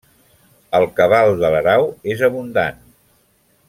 El cabal de l'Erau és abundant.